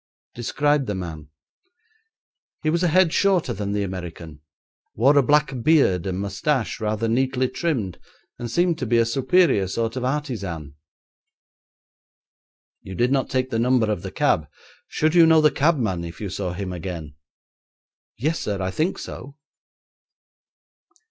"' 'Describe the man.' 'He was a head shorter than the American, wore a black beard and moustache rather neatly trimmed, and seemed to be a superior sort of artisan.' 'You did not take the number of the cab. Should you know the cabman if you saw him again?' 'Yes, sir, I think so.'